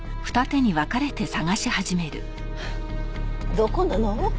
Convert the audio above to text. どこなの？